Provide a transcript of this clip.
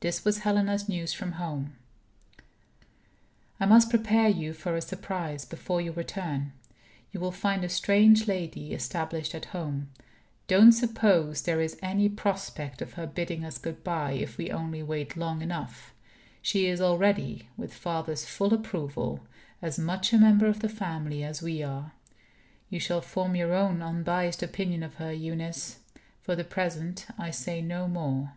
This was Helena's news from home: "I must prepare you for a surprise, before your return. You will find a strange lady established at home. Don't suppose there is any prospect of her bidding us good by, if we only wait long enough. She is already (with father's full approval) as much a member of the family as we are. You shall form your own unbiased opinion of her, Eunice. For the present, I say no more."